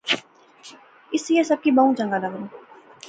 اس ایہہ سب کی بہوں چنگا لاغا